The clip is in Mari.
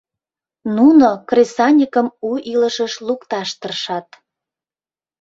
Нуно кресаньыкым у илышыш лукташ тыршат.